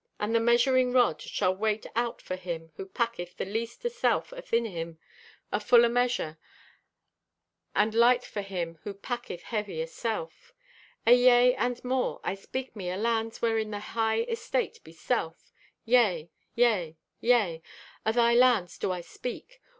"And the measuring rod shall weight out for him who packeth the least o' self athin him, afull o' measure, and light for him who packeth heavy o' self. "Ayea, and more. I speak me o' lands wherein the high estate be self. Yea, yea, yea, o' thy lands do I to speak.